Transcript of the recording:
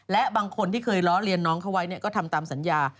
และบางคนที่เคยล้อเลียนน้องเขาไว้ก็ทำตามสัญญา